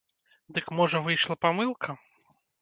Дык можа, выйшла памылка?